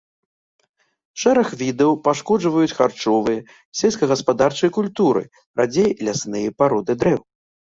Шэраг відаў пашкоджваюць харчовыя, сельскагаспадарчыя культуры, радзей лясныя пароды дрэў.